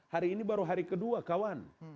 hari ini baru hari kedua kawan